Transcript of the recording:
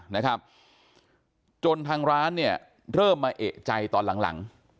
นะครับจนทางร้านเนี่ยเริ่มมาเอกใจตอนหลังหลัง